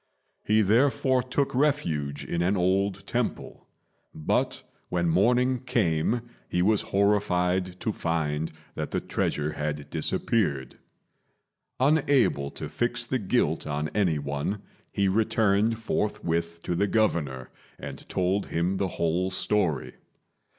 He therefore took refuge in an old temple; but, when morning came, he was horrified to find that the treasure had disappeared. Unable to fix the guilt on any one, he returned forthwith to the Governor and told him the whole story.